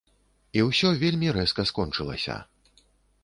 І ўсё вельмі рэзка скончылася.